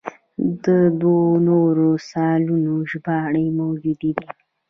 د دوو نورو رسالو ژباړې موجودې دي.